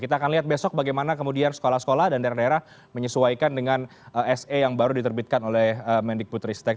kita akan lihat besok bagaimana kemudian sekolah sekolah dan daerah daerah menyesuaikan dengan se yang baru diterbitkan oleh mendik putristek